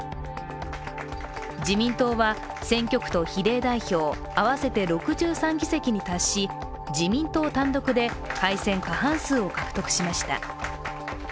自民党は、選挙区と比例代表合わせて６３議席に達し自民党単独で改選過半数を獲得しました。